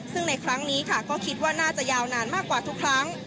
ซึ่งในครั้งนี้ค่ะก็คิดว่าน่าจะยาวนานมากกว่าทุกครั้ง